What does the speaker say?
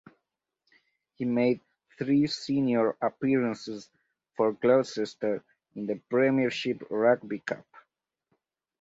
He made three senior appearances for Gloucester in the Premiership Rugby Cup.